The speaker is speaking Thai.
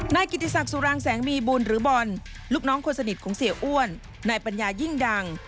นายกิติศักดิ์สุรางแสงมีบุญหรือบอลลูกน้องคนสนิทของเสียอ้วนนายปัญญายิ่งดัง